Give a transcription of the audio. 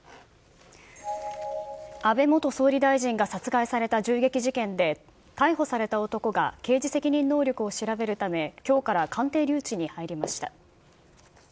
安倍元総理大臣が殺害された銃撃事件で、逮捕された男が刑事責任能力を調べるため、きょうから鑑定留置に入りました。